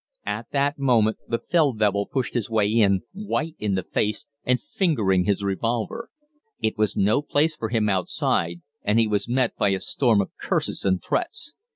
At that moment the Feldwebel pushed his way in, white in the face and fingering his revolver; it was no place for him outside, and he was met by a storm of curses and threats.